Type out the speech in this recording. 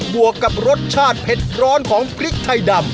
วกกับรสชาติเผ็ดร้อนของพริกไทยดำ